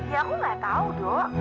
iya aku gak tau dok